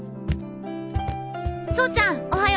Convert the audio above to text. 走ちゃんおはよ。